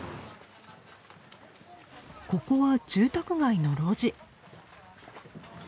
ここは住宅街の路地。